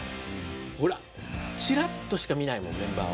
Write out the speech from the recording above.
ほらチラッとしか見ないもんメンバーを。